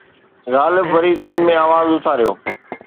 غالب وري دل ۾ آواز اٿاريو